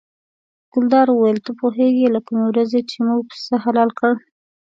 ګلداد وویل ته پوهېږې له کومې ورځې چې موږ پسه حلال کړ.